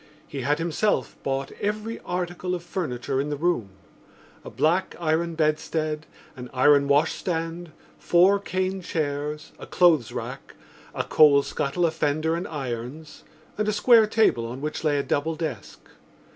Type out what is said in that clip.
He had himself bought every article of furniture in the room: a black iron bedstead, an iron washstand, four cane chairs, a clothes rack, a coal scuttle, a fender and irons and a square table on which lay a double desk.